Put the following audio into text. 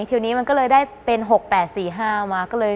ทีวนนี้มันก็เลยได้เป็น๖๘๔๕มา